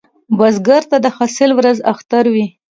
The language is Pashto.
بزګر ته د حاصل ورځ اختر وي